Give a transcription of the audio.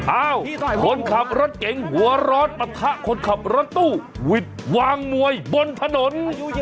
อ้าวคนขับรถเก๋งหัวร้อนปะทะคนขับรถตู้หวิดวางมวยบนถนน